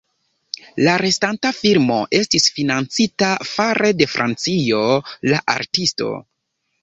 La restanta filmo estis financita fare de Francio: "La Artisto".